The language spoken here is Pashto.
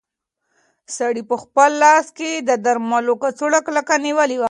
سړي په خپل لاس کې د درملو کڅوړه کلکه نیولې وه.